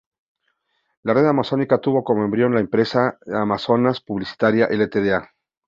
La Red Amazónica tuvo como embrión la empresa "Amazonas Publicidad Ltda.